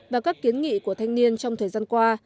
và các kiến nghị của thanh niên trong thời gian qua